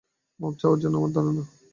মাফ চাওয়ার জন্য, আমার ধারনা।